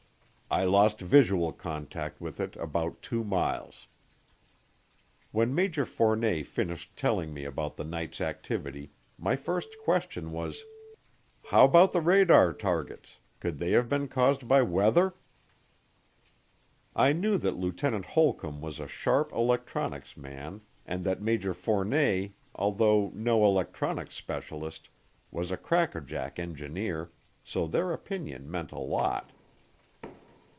I lost visual contact with it about 2 miles. When Major Fournet finished telling me about the night's activity, my first question was, "How about the radar targets could they have been caused by weather?" I knew that Lieutenant Holcomb was a sharp electronics man and that Major Fournet, although no electronics specialist, was a crackerjack engineer, so their opinion meant a lot.